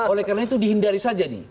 oleh karena itu dihindari saja nih